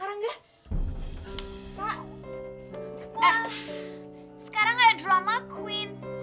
wah sekarang kayak drama queen